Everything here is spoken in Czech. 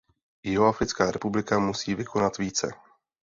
Jihoafrická republika musí vykonat více.